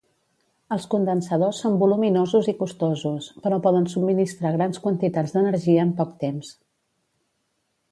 Els condensadors són voluminosos i costosos, però poden subministrar grans quantitats d'energia en poc temps.